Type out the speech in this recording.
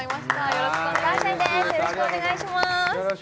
よろしくお願いします